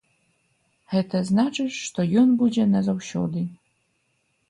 Гэта значыць, што ён будзе назаўсёды.